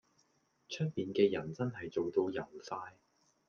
出面嘅人真係做到油晒